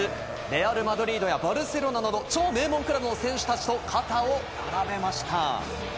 レアル・マドリードやバルセロナなどの超名門クラブの選手たちと肩を並べました。